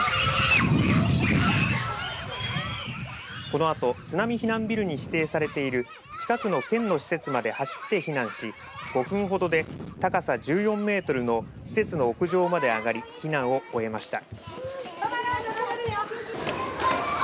このあと津波避難ビルに指定されている近くの県の施設まで走って移動し５分ほどで高さ５メートルほどの施設の屋上まで上がり避難を終えました。